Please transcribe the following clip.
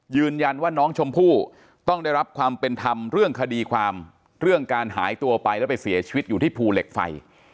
ยืนยันว่าน้องชมพู่ต้องได้รับความเป็นธรรมเรื่องคดีความเรื่องการหายตัวไปแล้วไปเสียชีวิตอยู่ที่ภูเหล็กไฟ